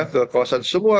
ke kawasan semua